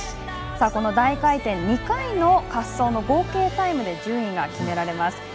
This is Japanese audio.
この大回転２回の滑走の合計タイムで順位が決められます。